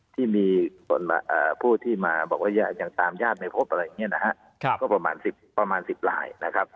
ที่มีผู้ที่มาบอกว่ายังตามญาติในภพประมาณ๑๐หลาย